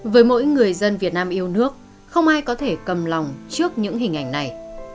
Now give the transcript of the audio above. với mỗi người dân việt nam yêu nước không ai có thể cầm lòng trước những hình ảnh này